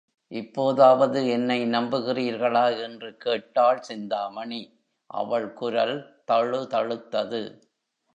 இப்போதாவது என்னை நம்புகிறீர்களா? என்று கேட்டாள் சிந்தாமணி அவள் குரல் தழுதழுத்தது.